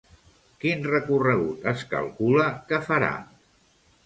Quin recorregut es calcula que farà?